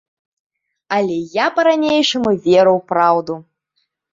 Але я па-ранейшаму веру ў праўду.